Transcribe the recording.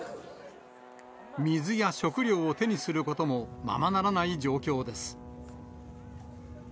水や食料を手にすることも、ままならない状況です。